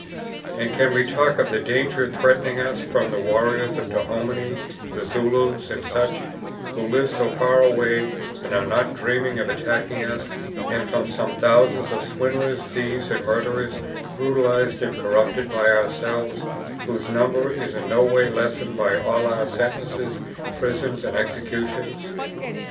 And can we talk of the danger threatening us from the warriors of Dahomey, the Zulus, and such, who live so far away and are not dreaming of attacking us, and from some thousands of swindlers, thieves, and murderers, brutalized and corrupted by ourselves, whose number is in no way lessened by all our sentences, prisons, and executions?